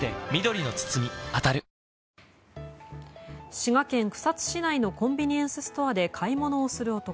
滋賀県草津市内のコンビニエンスストアで買い物をする男。